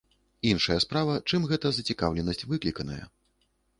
Іншая справа, чым гэта зацікаўленасць выкліканая.